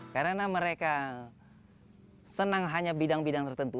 karena mereka senang hanya bidang bidang tertentu